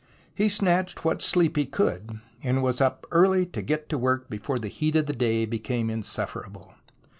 He snatched what sleep he could, and was up early to get to work before the heat of the day became insufferable.